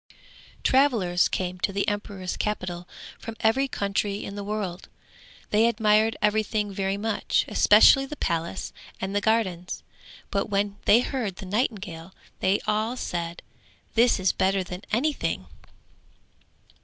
Travellers came to the emperor's capital, from every country in the world; they admired everything very much, especially the palace and the gardens, but when they heard the nightingale they all said, 'This is better than anything!'